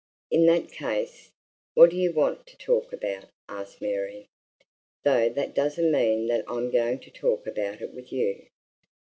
"In that case, what do you want to talk about?" asked Mary. "Though that doesn't mean that I'm going to talk about it with you."